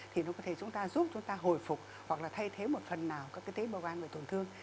thì nó có thể chúng ta giúp chúng ta hồi phục hoặc là thay thế một phần nào các tế bào gan bị tổn thương